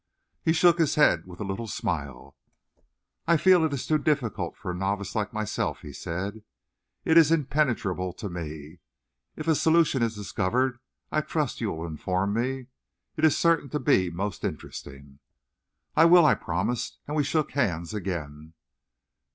He shook his head with a little smile. "I fear it is too difficult for a novice like myself," he said. "It is impenetrable to me. If a solution is discovered, I trust you will inform me. It is certain to be most interesting." "I will," I promised, and we shook hands again.